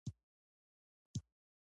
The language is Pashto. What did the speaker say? جميله نورې خوشحالۍ ته اړتیا نه درلوده.